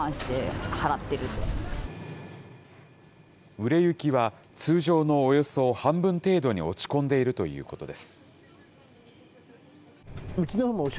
売れ行きは通常のおよそ半分程度に落ち込んでいるということです。